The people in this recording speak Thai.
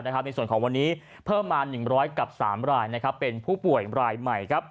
ในส่วนของวันนี้เพิ่มมา๑๐๐กับ๓รายเป็นผู้ป่วยรายใหม่